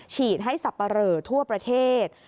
ฉีดให้สับปะเหลอทั่วประเทศ